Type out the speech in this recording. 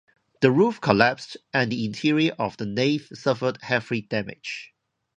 The roof collapsed and the interior of the nave suffered heavy damage.